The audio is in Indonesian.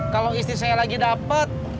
kalau istri saya lagi dapat